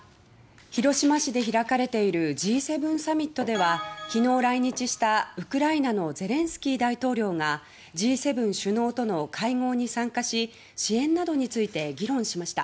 広島市で開かれているＧ７サミットでは昨日来日したウクライナのゼレンスキー大統領がＧ７首脳との会合に参加し支援などについて議論しました。